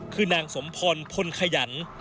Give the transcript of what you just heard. คือนางสมพรพลขยัน